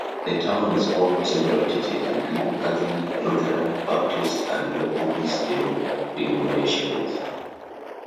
The town is home to several churches, including Catholic, Lutheran, Baptist, and Methodist denominations.